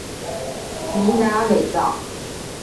蒙达韦藏。